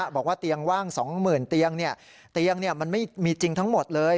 บอกว่าเตียงว่างสองหมื่นเตียงเนี่ยเตียงมันไม่มีจริงทั้งหมดเลย